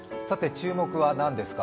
注目は何ですか？